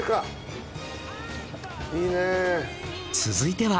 続いては。